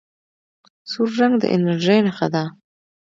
سور رنګ د انرژۍ نښه ده.